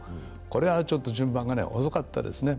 これは、ちょっと順番が遅かったですね。